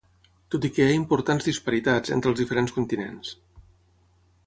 Tot i que hi ha importants disparitats entre els diferents continents.